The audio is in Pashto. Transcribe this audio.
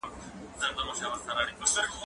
زه پرون نان وخوړل؟!